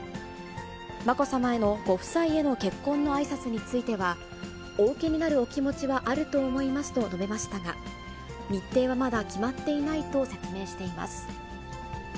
まこさまへのご夫妻への結婚のあいさつについては、お受けになるお気持ちはあると思いますと述べましたが、日程はまだ決まっていないと説明しています。